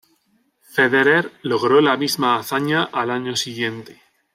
Federer logró la misma hazaña al año siguiente.